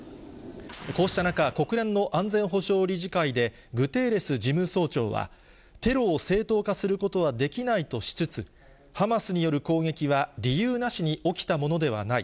こうした中、国連の安全保障理事会で、グテーレス事務総長は、テロを正当化することはできないとしつつ、ハマスによる攻撃は、理由なしに起きたものではない。